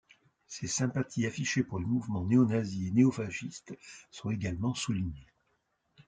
Ses sympathies affichées pour les mouvements néo-nazis et néo-fascistes sont également soulignées.